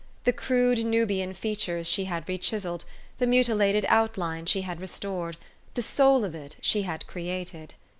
The crude Nubian features she had rechiselled, the mutilated outline she had restored ; the soul of it she had created.